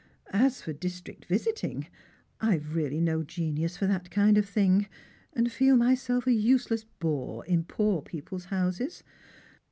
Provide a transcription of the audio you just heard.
As for district visiting, I have really no genius for that kind of thing, and I'eel myself a useless bore in poor people's houses.